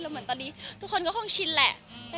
แต่ตอนนี้ทุกคนคนคงชินแหละ